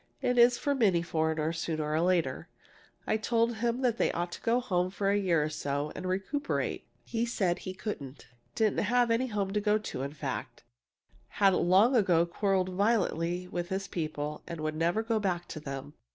It is for many foreigners sooner or later. I told him they ought to go home for a year or so and recuperate. He said he couldn't didn't have any home to go to, in fact. Had long ago quarreled violently with his people, and would never go back to them.